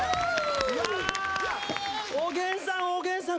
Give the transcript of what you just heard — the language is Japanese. おげんさん、おげんさん